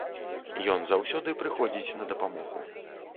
Ён заўсёды прыходзіць на дапамогу.